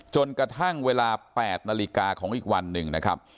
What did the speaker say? จนกระทั่งเวลา๘นาฬิกาของอีกวันหนึ่งนะครับ